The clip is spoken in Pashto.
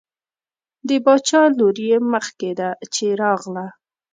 د باچا لور یې مخکې ده چې راغله.